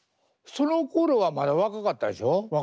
そのころはまだ若かったでしょ？